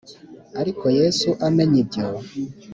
Ariko Yesu amenye ibyo